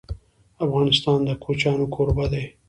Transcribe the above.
افغانستان د کوچیانو کوربه دی..